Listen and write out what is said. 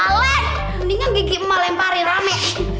mendingan gigi emang lemparin rame